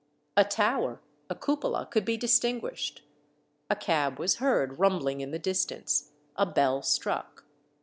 A tower, a cupola, could be distinguished. A cab was heard rumbling in the distance, a bell struck.